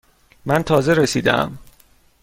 من تازه رسیده ام.